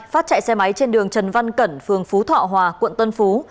phát chạy xe máy trên đường trần văn cẩn phường phú thọ hòa quận tân phú